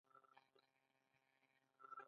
پۀ ما غونے زګ زګ شۀ ـ